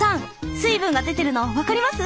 水分が出てるの分かります？